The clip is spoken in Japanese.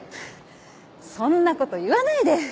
そんな事言わないで。